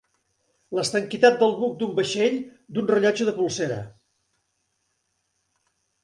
L'estanquitat del buc d'un vaixell, d'un rellotge de polsera.